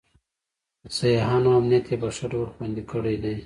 د سیاحانو امنیت یې په ښه ډول خوندي کړی دی.